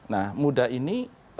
nah muda ini